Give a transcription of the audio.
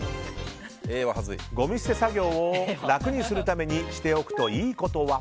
ごみ捨て作業を楽にするためにしておくといいことは。